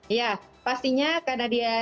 iya pastinya karena dia